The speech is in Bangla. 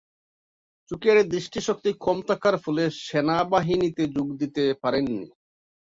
চোখের দৃষ্টিশক্তি কম থাকার ফলে সেনাবাহিনীতে যোগ দিতে পারেননি।